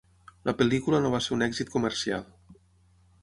La pel·lícula no va ser un èxit comercial.